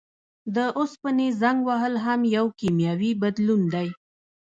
د اوسپنې زنګ وهل هم یو کیمیاوي بدلون دی.